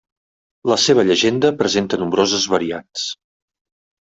La seva llegenda presenta nombroses variants.